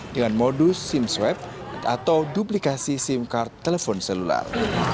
dengan modus sim swab atau duplikasi sim card telepon seluler